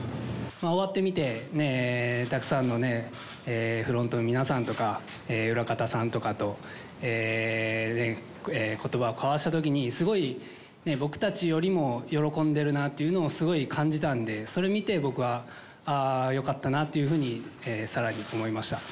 終わってみて、たくさんのフロントの皆さんとか、裏方さんとかとことばを交わしたときに、すごい僕たちよりも喜んでるなというのをすごい感じたんで、それ見て、僕は、ああ、よかったなっていうふうに、さらに思いました。